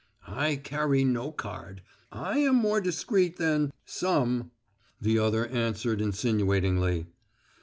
"I carry no card. I am more discreet than some," the other answered insinuatingly.